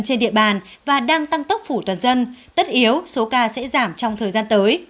trên địa bàn và đang tăng tốc phủ toàn dân tất yếu số ca sẽ giảm trong thời gian tới